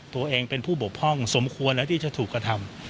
ตัวเองเป็นผู้บกพร่องสมควรแล้วที่จะถูกกระทำ